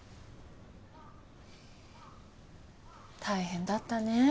大変だったね